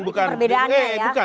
itu perbedaannya ya